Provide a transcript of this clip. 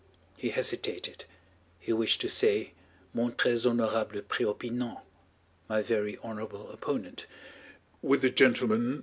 (he hesitated: he wished to say, "Mon très honorable préopinant"—"My very honorable opponent") "with the gentleman...